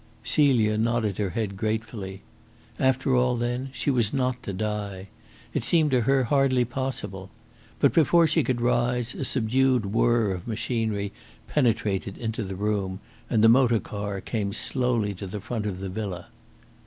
Celia nodded her head gratefully. After all, then, she was not to die. It seemed to her hardly possible. But before she could rise a subdued whirr of machinery penetrated into the room, and the motor car came slowly to the front of the villa.